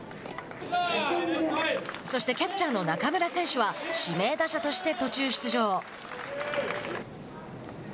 そしてキャッチャーの中村選手は指名打者として途中出場。